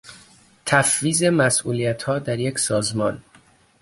تفویض مسئولیتها در یک سازمان